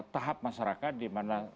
tahap masyarakat dimana